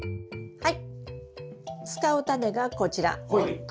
はい。